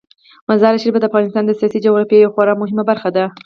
مزارشریف د افغانستان د سیاسي جغرافیې یوه خورا مهمه برخه ده.